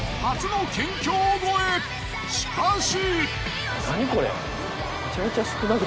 しかし。